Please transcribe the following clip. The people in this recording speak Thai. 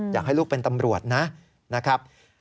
อยากให้ลูกเป็นตำรวจนะครับ